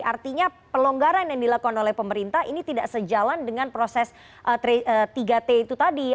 artinya pelonggaran yang dilakukan oleh pemerintah ini tidak sejalan dengan proses tiga t itu tadi